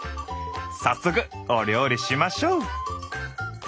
早速お料理しましょう！